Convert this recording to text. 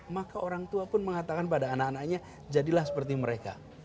maka orang tua pun mengatakan pada anak anaknya jadilah seperti mereka